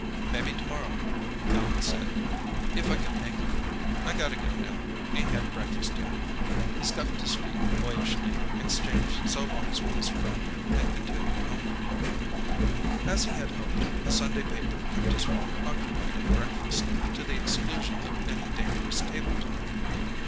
"Mebbe t'morrow," Allan said. "If I c'n make it. I gotta go, now; ain't had breakfast yet." He scuffed his feet boyishly, exchanged so longs with his friend, and continued homeward. As he had hoped, the Sunday paper kept his father occupied at breakfast, to the exclusion of any dangerous table talk.